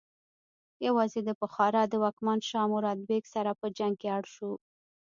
یوازې د بخارا د واکمن شاه مراد بیک سره په جنګ اړ شو.